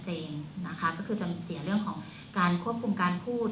ก็จะมีการเกียรติเรื่องของการควบคุมการพูด